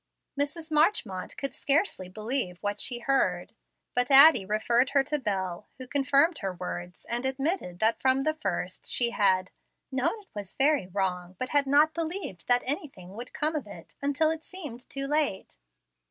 Mrs. Marchmont could scarcely believe what she heard, but Addie referred her to Bel, who confirmed her words and admitted that from the first she had "known it was very wrong, but had not believed that anything would come of it, until it seemed too late."